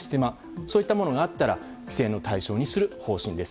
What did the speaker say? そういったものがあったら規制の対象にする方針です。